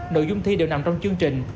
nội dung thi đều nằm trong chương trình